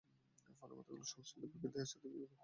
ফলে মাথাগুলো সংশ্লিষ্ট পাখির দেহের সাথে গিয়ে লেগে যেত।